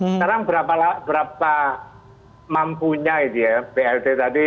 sekarang berapa mampunya blt tadi